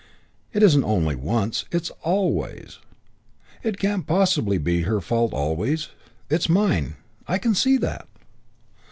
It isn't only once. It's always. It can't possibly be her fault always. It's mine. I can see that.